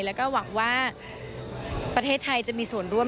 แล้วก็หวังว่าประเทศไทยจะมีส่วนร่วม